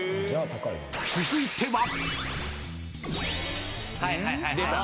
［続いては］